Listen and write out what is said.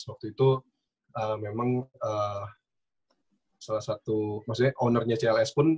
waktu itu memang salah satu maksudnya ownernya cls pun